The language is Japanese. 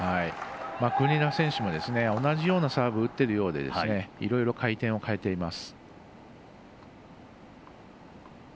国枝選手も同じようなサーブを打っているようでいろいろ回転を変えています。